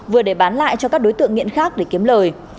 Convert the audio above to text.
vừa để bán lại cho các đối tượng nghiện khác để kiếm lời